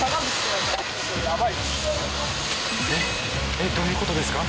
えっどういう事ですか？